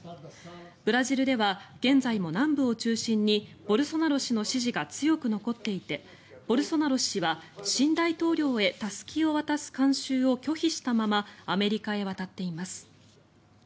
ブラジルでは現在も南部を中心にボルソナロ氏の支持が強く残っていてボルソナロ氏は新大統領へたすきを渡す慣習を拒否したままアメリカへ渡っています。